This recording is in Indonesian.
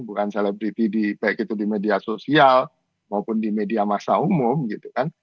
bukan selebriti di baik itu di media sosial maupun di media masa umum gitu kan